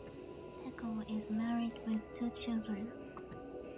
Pecl is married with two children.